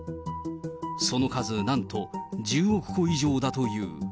その数なんと１０億個以上だという。